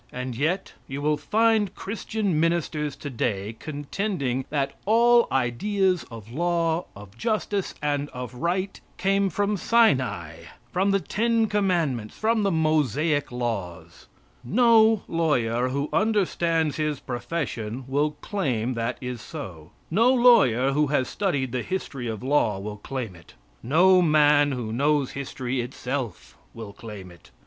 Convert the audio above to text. And yet you will find Christian ministers today contending that all ideas of law, of justice and of right came from Sinai, from the ten commandments, from the Mosaic laws. No lawyer who understands his profession will claim that is so. No lawyer who has studied the history of law will claim it. No man who knows history itself will claim it.